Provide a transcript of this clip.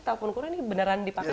taupun kurang ini beneran dipakai